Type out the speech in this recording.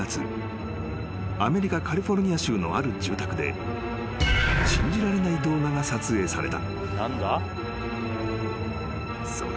アメリカカリフォルニア州のある住宅で信じられない動画が撮影された］